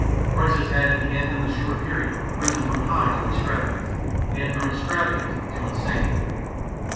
Prices had at the end of this short period risen from high to extravagant, and from extravagant to insane.